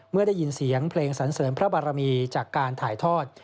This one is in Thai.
เมื่อได้ยินเสียงเพลงสันเสริมพระบารมีจากการถ่ายทอด